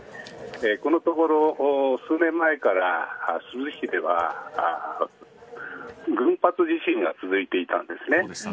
このところ、数年前から珠洲市では群発地震が続いていたんですね。